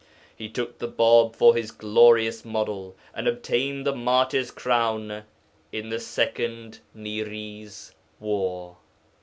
He took the Bāb for his glorious model, and obtained the martyr's crown in the second Niriz war.